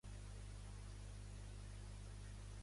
Per què les hamadríades van captar Driope?